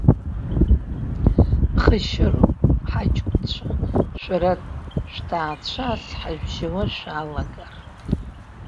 Ԥхашьароуп, ҳаҷкәынцәа, шәара шәҭаацәа ас ҳажәжьауа шәалагар.